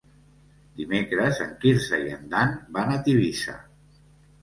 Dimecres en Quirze i en Dan van a Tivissa.